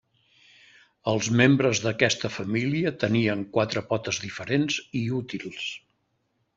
Els membres d'aquesta família tenien quatre potes diferents i útils.